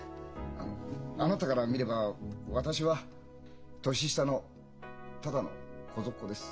あのあなたから見れば私は年下のただの小僧っ子です。